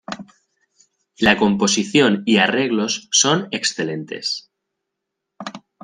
La composición y arreglos son excelentes.